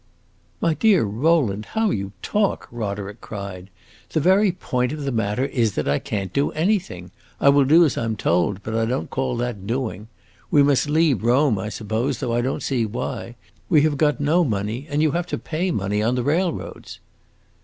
"My dear Rowland, how you talk!" Roderick cried. "The very point of the matter is that I can't do anything. I will do as I 'm told, but I don't call that doing. We must leave Rome, I suppose, though I don't see why. We have got no money, and you have to pay money on the railroads."